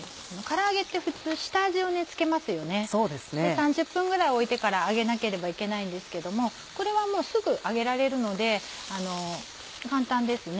３０分ぐらい置いてから揚げなければいけないんですけどもこれはもうすぐ揚げられるので簡単ですね。